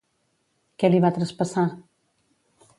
Què li va traspassar?